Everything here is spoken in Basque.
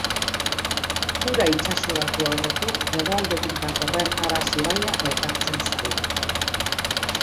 Kura itsasoratu aurretik hegoaldetik datorren Aras ibaia elkartzen zaio.